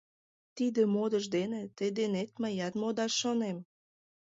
Тиде модыш дене тый денет мыят модаш шонем.